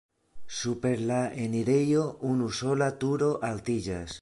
Super la enirejo unusola turo altiĝas.